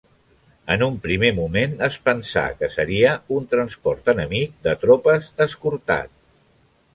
En un primer moment es pensà que seria un transport enemic de tropes escortat.